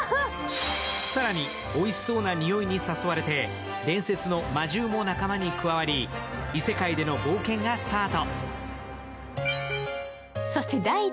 更においしそうなにおいに誘われて伝説の魔獣も仲間に加わり異世界での冒険がスタート。